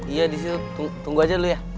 iya disitu tunggu aja dulu ya